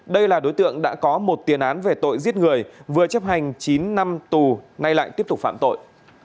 đây là đối tượng đã có một tiền án về tội giết người vừa chấp hành chín năm tù nay lại tiếp tục phạm tội